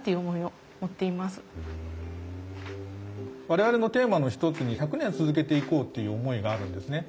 我々のテーマの一つに１００年続けていこうっていう思いがあるんですね。